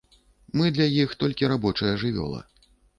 Мы для іх толькі рабочая жывёла.